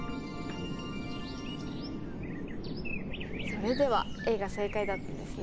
それではＡが正解だったんですね。